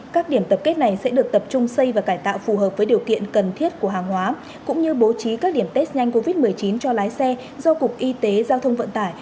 các điểm tập kết này sẽ được tập trung xây và cải tạo phù hợp với điều kiện cần thiết của hàng hóa cũng như bố trí các điểm test nhanh covid một mươi chín cho lái xe do cục y tế giao thông vận tải